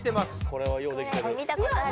これはようできてるうわ